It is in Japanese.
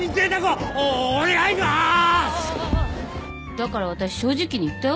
だから私正直に言ったよ。